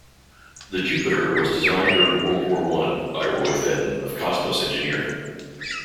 The Jupiter was designed during World War One by Roy Fedden of Cosmos Engineering.